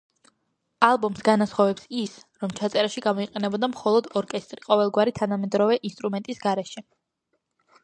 ალბომს განასხვავებს ის, რომ ჩაწერაში გამოიყენებოდა მხოლოდ ორკესტრი, ყოველგვარი თანამედროვე ინსტრუმენტის გარეშე.